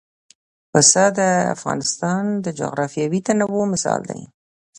پسه د افغانستان د جغرافیوي تنوع مثال دی.